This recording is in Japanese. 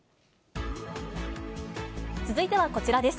続いてはこちらです。